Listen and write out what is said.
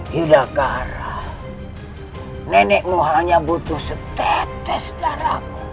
yudhakara nenekmu hanya butuh setetes darahku